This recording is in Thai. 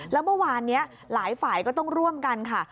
แล้วเมื่อวานนี้หลายฝ่ายก็ต้องร่วมกันค่ะ